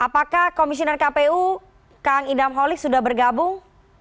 pkpu kang idam holik sudah bergabung